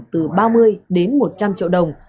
từ ba mươi đến một trăm linh triệu đồng